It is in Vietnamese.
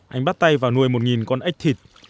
anh bắt tay vào nuôi một con ếch thịt